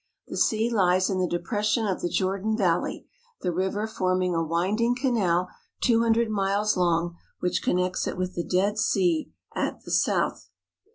The sea lies in the depression of the Jordan Valley, the river forming a winding canal two hundred miles long which connects it with the Dead Sea at the south.